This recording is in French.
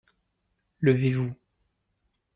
Levez-vous.